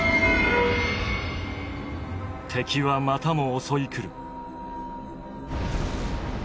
敵はまたも襲い来る。